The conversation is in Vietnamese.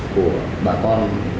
của bà con